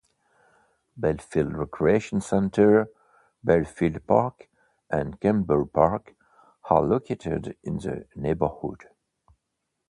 Belfield Recreation Center, Belfield Park, and Kemble Park are located in the neighborhood.